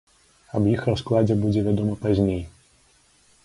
Аб іх раскладзе будзе вядома пазней.